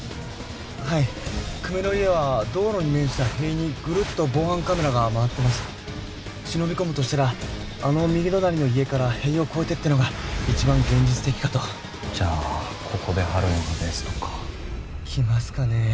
はい久米の家は道路に面した塀にぐるっと防犯カメラが回ってます忍び込むとしたらあの右隣の家から塀を越えてってのが一番現実的かとじゃあここで張るのがベストか来ますかね